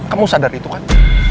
kamu sadar itu kan